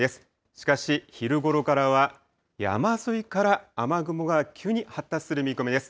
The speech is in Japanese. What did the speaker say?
しかし、昼ごろからは山沿いから雨雲が急に発達する見込みです。